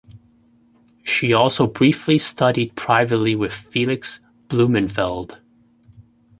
She also briefly studied privately with Felix Blumenfeld.